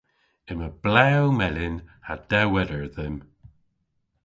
Yma blew melyn ha dewweder dhymm.